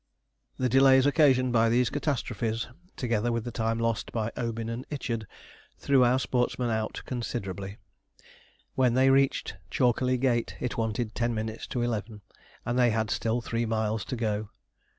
The delays occasioned by these catastrophes, together with the time lost by 'Obin and Ichard,' threw our sportsmen out considerably. When they reached Chalkerley Gate it wanted ten minutes to eleven, and they had still three miles to go.